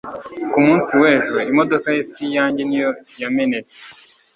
Ku munsi wejo imodoka ye si iyanjye ni yo yamenetse